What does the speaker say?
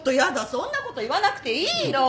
そんな事言わなくていいの！